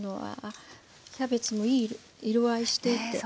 キャベツもいい色合いしていて。